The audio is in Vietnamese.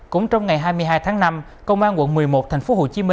cũng trong ngày hai mươi hai tháng năm công an quận một mươi một tp hcm